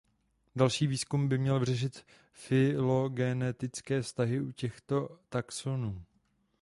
Další výzkum by měl vyřešit fylogenetické vztahy u těchto taxonů.